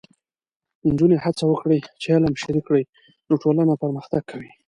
نجونې هڅه وکړي چې علم شریک کړي، نو ټولنه پرمختګ کوي.